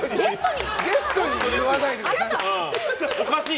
ゲストに言わないでください。